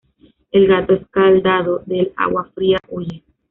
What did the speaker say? El gato escaldado, del agua fría huye